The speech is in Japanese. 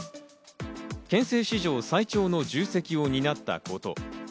憲政史上最長の重責を担ったこと。